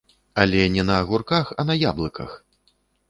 Але не на агурках, а на яблыках!